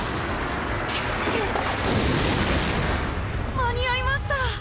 間に合いました